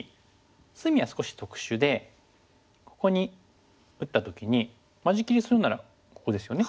隅は少し特殊でここに打った時に間仕切りするならここですよね。